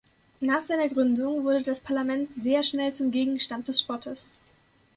Nach seiner Gründung wurde das Parlament sehr schnell zum Gegenstand des Spotts.